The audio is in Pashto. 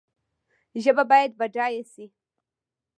ژبه باید بډایه سي